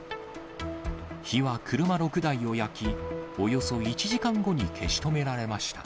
火は車６台を焼き、およそ１時間後に消し止められました。